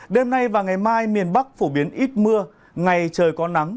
đêm nay và ngày mai miền bắc phổ biến ít mưa ngày trời có nắng